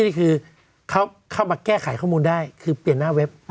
นี่คือเขาเข้ามาแก้ไขข้อมูลได้คือเปลี่ยนหน้าเว็บ